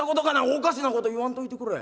おかしなこと言わんといてくれ。